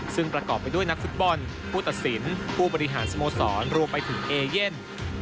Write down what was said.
ซึ่งประกอบไปด้วยนักฟุตบอลผู้ตัดสินผู้บริหารสโมสรรวมไปถึงเอเย่น